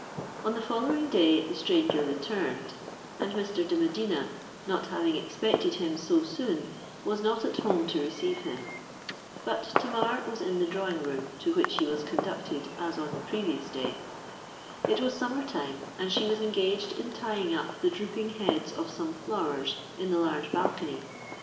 On the following day the stranger returned; and Mr. de Medina, not having expected him so soon, was not at home to receive him. But Tamar was in the drawing room, to which he was conducted as on the previous day. It was summer time, and she was engaged in tying up the drooping heads of some flowers in the large balcony.